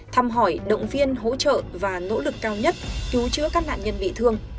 thăm hỏi động viên hỗ trợ và nỗ lực cao nhất cứu chữa các nạn nhân bị thương